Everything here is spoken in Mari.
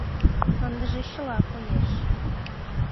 Ындыже чыла коеш.